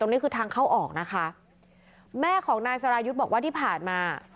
นี่คือทางเข้าออกนะคะแม่ของนายสรายุทธ์บอกว่าที่ผ่านมา